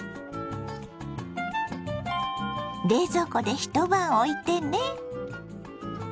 冷蔵庫で一晩おいてね。